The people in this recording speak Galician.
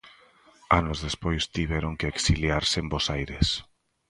Anos despois tiveron que exiliarse en Bos Aires.